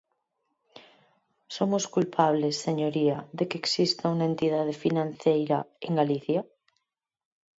¿Somos culpables, señoría, de que exista unha entidade financeira en Galicia?